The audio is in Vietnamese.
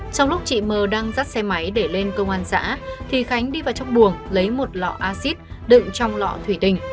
trong lúc chị m đang dắt xe máy để lên công an xã thì khánh đi vào trong buồng lấy một lọ acid đựng trong lọ thủy đình